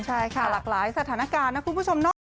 ใช่ค่ะหลากหลายสถานการณ์นะคุณผู้ชมเนาะ